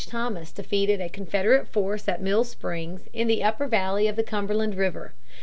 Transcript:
Thomas defeated a Confederate force at Mill Springs, in the upper valley of the Cumberland River.